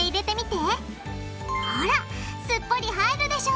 ほらすっぽり入るでしょ